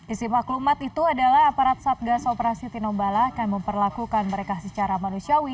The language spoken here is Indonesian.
isi maklumat itu adalah aparat satgas operasi tinombala akan memperlakukan mereka secara manusiawi